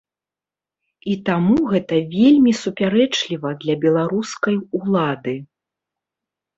І таму гэта вельмі супярэчліва для беларускай улады.